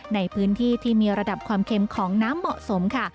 ในพื้นที่ที่มีระดับความเค็มของน้ำเหมาะสมค่ะ